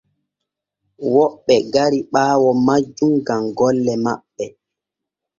Woɓɓe gari ɓaawo majjum gam golle maɓɓe.